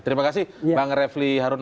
terima kasih bang refli harun